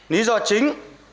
lý do chính